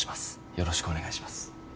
よろしくお願いします。